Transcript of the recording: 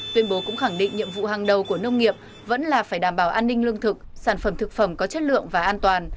tuyên bố cũng khẳng định nhiệm vụ hàng đầu của nông nghiệp vẫn là phải đảm bảo an ninh lương thực sản phẩm thực phẩm có chất lượng và an toàn